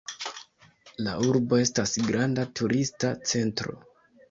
La urbo estas granda turista centro.